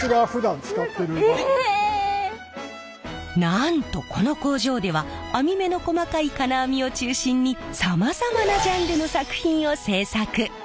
なんとこの工場では網目の細かい金網を中心にさまざまなジャンルの作品を制作！